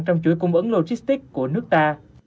trong chuỗi cung ứng logistics của nước ta